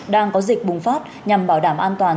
đang có dịch bùng phát nhằm bảo đảm an toàn